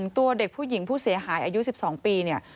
ตัวเด็กผู้หญิงผู้เสียหายอายุ๑๒ปีเนี่ย